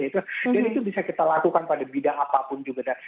dan itu bisa kita lakukan pada bidang apapun juga